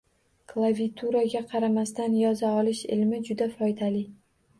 Klaviaturaga qaramasdan yoza olish ilmi juda foydali